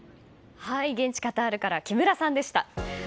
現地カタールから木村さんでした。